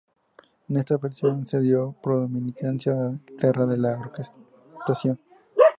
En esta versión se dio predominancia a la guitarra y a la orquestación.